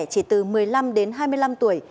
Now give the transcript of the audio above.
chỉ từ một mươi năm đến hai mươi năm tuổi